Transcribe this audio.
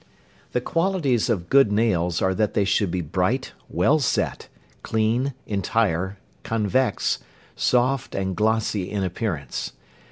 The qualities of good nails are that they should be bright, well set, clean, entire, convex, soft, and glossy in appearance.